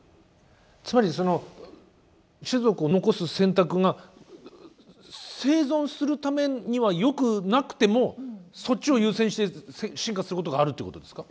つまりその種族を残す選択が生存するためにはよくなくてもそっちを優先して進化することがあるってことですか？